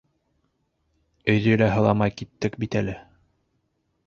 Өйҙө лә һыламай киттек бит әле.